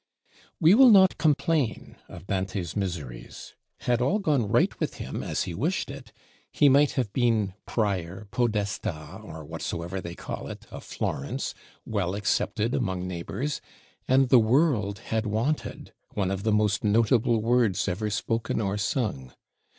We will not complain of Dante's miseries: had all gone right with him as he wished it, he might have been Prior, Podestà or whatsoever they call it, of Florence, well accepted among neighbors, and the world had wanted one of the most notable words ever spoken or sung.